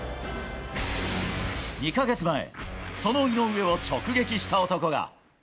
２か月前その井上を直撃した男が。